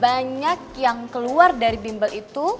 banyak yang keluar dari bimbel itu